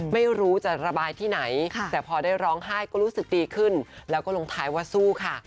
ไม่รู้จะระบายที่ไหนแต่พอได้ร้องไห้ก็รู้สึกดีขึ้นแล้วก็ลงท้ายว่าสู้ค่ะ